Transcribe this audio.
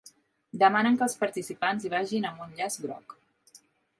Demanen que els participants hi vagin amb un llaç groc.